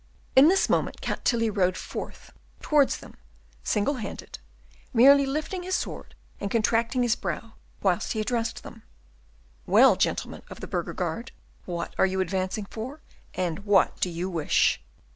In this moment, Count Tilly rode forth towards them single handed, merely lifting his sword and contracting his brow whilst he addressed them: "Well, gentlemen of the burgher guard, what are you advancing for, and what do you wish?"